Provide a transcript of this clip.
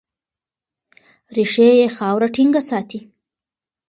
ریښې یې خاوره ټینګه ساتي.